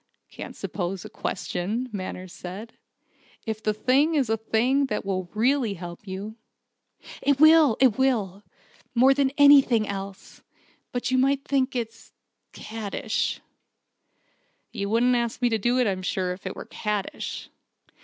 "I can't suppose a 'question,'" Manners said, "if the thing is a thing that will really help you." "It will it will, more than anything else. But you might think it caddish." "You wouldn't ask me to do it, I'm sure, if it were caddish."